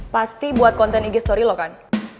pasti buat konten ig story lo kan